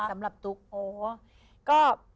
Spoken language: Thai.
สำหรับตุ๊ก